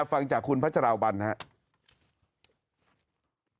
ฟังจากคุณพัชราวัลครับ